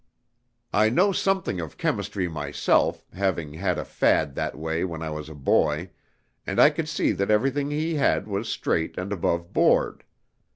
I know something of chemistry myself, having had a fad that way when I was a boy, and I could see that everything he had was straight and above board.